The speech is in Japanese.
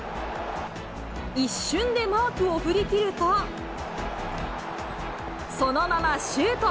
一瞬でマークを振り切ると、そのままシュート。